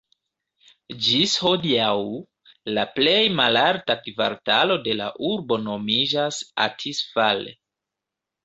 Ĝis hodiaŭ, la plej malalta kvartalo de la urbo nomiĝas "Athis-Val".